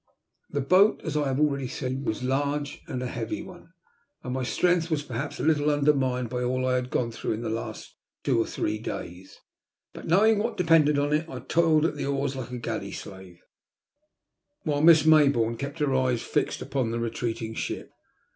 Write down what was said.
The boat, as I have already said, was a large and heavy one, and my strength was perhaps a little undermined by all I had gone through in the last two or three days. But, knowing what depended on it, I toiled at the oars like a galley slave, while Miss Maybourne kept her eyes fixed upon the retreating ship.